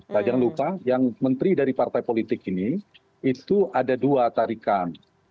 nah jangan lupa yang menteri dari partai politik ini itu ada dua tarikan